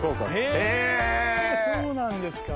へぇそうなんですか。